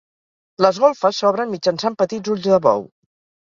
Les golfes s'obren mitjançant petits ulls de bou.